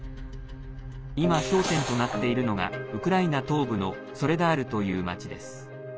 今、焦点となっているのがウクライナ東部のソレダールという町です。